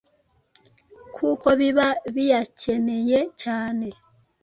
kuko biba biyakeneye cyane.